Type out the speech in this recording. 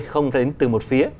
không đến từ một phía